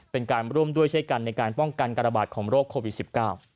เป็นการร่วมด้วยช่วยกันในการป้องกันการระบาดของโรคโควิด๑๙